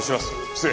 失礼。